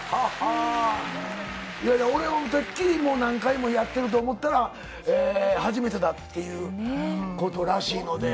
いやいや、俺はてっきり何回もやってると思ったら、初めてだっていうことらしいので。